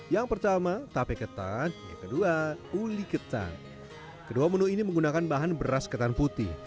yang pertama tape ketan yang kedua uli ketan kedua menu ini menggunakan bahan beras ketan putih